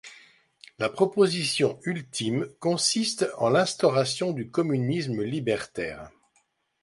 La proposition ultime consiste en l'instauration du communisme libertaire.